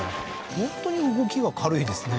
本当に動きが軽いですね